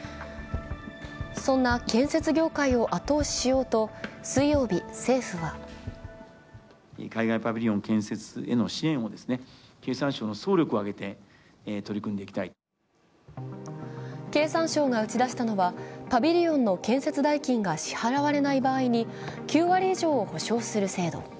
そんな建設業界を後押ししようと水曜日、政府は経産省が打ち出したのはパビリオンの建設代金が支払われない場合に９割以上を補償する制度。